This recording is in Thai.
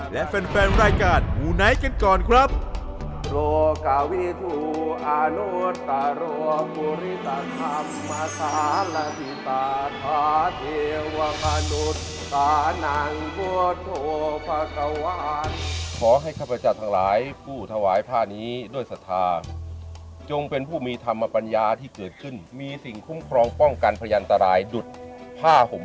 และแฟนรายการมูไนท์กันก่อนครับ